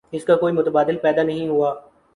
اس کا کوئی متبادل پیدا نہیں ہوا۔